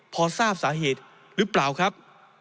พอทราบสาเหตุหรือเปล่าครับ